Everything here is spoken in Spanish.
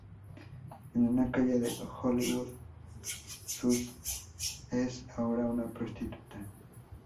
En una calle en Hollywood, Sue es ahora una prostituta.